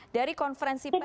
dari konferensi persahabatan